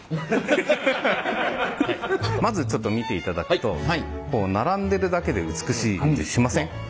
まずちょっと見ていただくと並んでるだけで美しい感じしません？